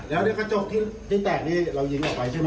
แล้วกระจกที่แตกนี่เรายิงออกไปใช่ไหม